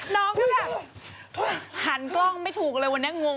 น้องพี่มันอยากหันกล้องไม่ถูกเลยวันนี้งงเลยเออ